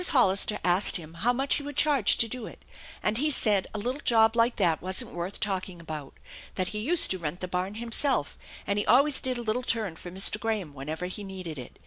Hollister asked him how much he would charge to do it, and he said a little job like that wasn't worth talking about; that he used to rent the barn himself, and he always did a little turn for Mr. Graham whenever he needed it.